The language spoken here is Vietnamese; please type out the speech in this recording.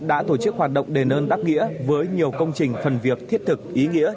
đã tổ chức hoạt động đền ơn đáp nghĩa với nhiều công trình phần việc thiết thực ý nghĩa